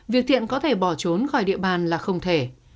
việc thiện có thể bỏ trốn khỏi địa bàn là không thể